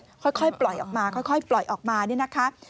ค่อยปล่อยออกมาค่อยปล่อยออกมานี่นะคะ